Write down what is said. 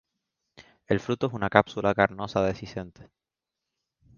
El fruto es una cápsula carnosa dehiscente.